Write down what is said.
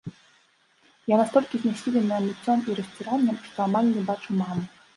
Я настолькі знясіленая мыццём і расціраннем, што амаль не бачу маму.